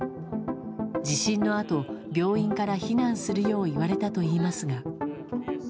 地震のあと、病院から避難するよう言われたといいますが。